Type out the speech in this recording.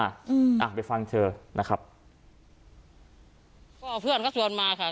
อืมอ่ะไปฟังเธอนะครับก็เพื่อนเขาชวนมาค่ะ